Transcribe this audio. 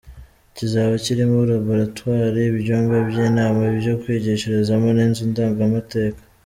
Kizaba kirimo laboratwari, ibyumba by’inama, ibyo. kwigishirizamo n’inzu ndangamateka.